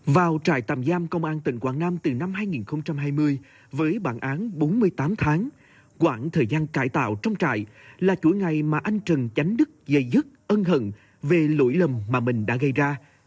vào trại tạm giam công an tỉnh quảng nam từ năm hai nghìn hai mươi với bản án bốn mươi tám tháng quãng thời gian cải tạo trong trại là chuỗi ngày mà anh trần chánh đức dây dứt ân hận về lỗi lầm mà mình đã gây ra